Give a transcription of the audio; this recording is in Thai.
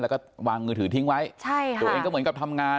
แล้วก็วางมือถือทิ้งไว้ใช่ค่ะตัวเองก็เหมือนกับทำงาน